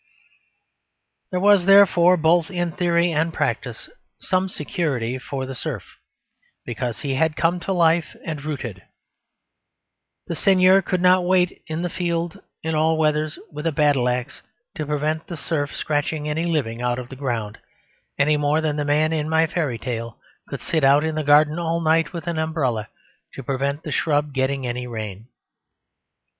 There was, therefore, both in theory and practice, some security for the serf, because he had come to life and rooted. The seigneur could not wait in the field in all weathers with a battle axe to prevent the serf scratching any living out of the ground, any more than the man in my fairy tale could sit out in the garden all night with an umbrella to prevent the shrub getting any rain.